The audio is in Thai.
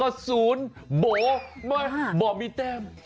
ก็ศูนย์โบ๊ะโบ๊ะมีแต้ม